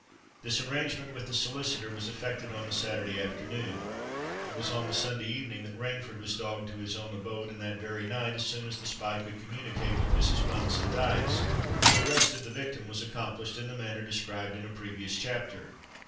This arrangement with the solicitor was effected on the Saturday afternoon: it was on the Sunday evening that Rainford was dogged to his own abode; and that very night, as soon as the spy could communicate with Mrs. Bunce and Dykes, the arrest of the victim was accomplished in the manner described in a previous chapter.